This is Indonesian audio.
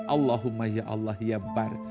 allahumma ya allah ya bar